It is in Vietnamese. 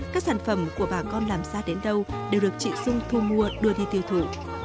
các sản phẩm của bà con làm ra đến đâu đều được chị dung thu mua đưa đi tiêu thụ